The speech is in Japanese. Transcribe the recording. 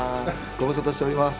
ご無沙汰しております。